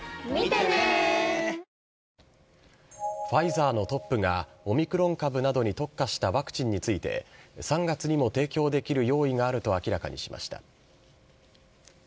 ファイザーのトップがオミクロン株などに特化したワクチンについて、３月にも提供できる用意があると明らかにしました。